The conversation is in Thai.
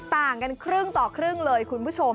ต่างกันครึ่งต่อครึ่งเลยคุณผู้ชม